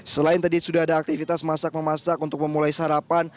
selain tadi sudah ada aktivitas masak memasak untuk memulai sarapan